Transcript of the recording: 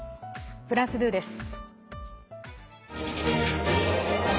フランス２です。